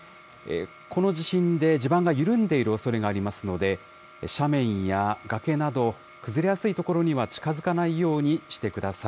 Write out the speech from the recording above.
この地震で地盤が緩んでいるおそれがありますので、斜面や崖など、崩れやすい所には近づかないようにしてください。